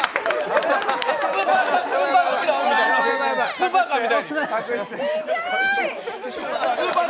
スーパーカーみたいに！